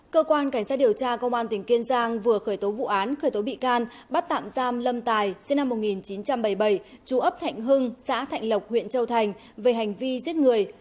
cơ quan cảnh sát điều tra công an tỉnh kiên giang vừa khởi tố vụ án khởi tố bị can bắt tạm giam lâm tài sinh năm một nghìn chín trăm bảy mươi bảy chú ấp thạnh hưng xã thạnh lộc huyện châu thành về hành vi giết người